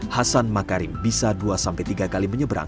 hasan makarim bisa dua tiga kali menyeberang